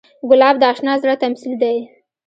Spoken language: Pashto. ګلاب د اشنا زړه تمثیل دی.